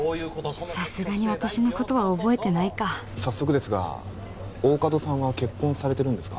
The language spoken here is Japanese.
さすがに私のことは覚えてないか早速ですが大加戸さんは結婚されてるんですか？